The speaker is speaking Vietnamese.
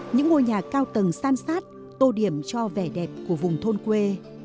những ngôi nhà cao tầng san sát tô điểm cho vẻ đẹp của vùng thôn quê